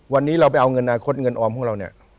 วันนี้เราไปเอาเงินอนาคตเงินออมของเราเนี่ย